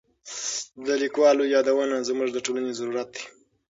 د لیکوالو یادونه زموږ د ټولنې ضرورت دی.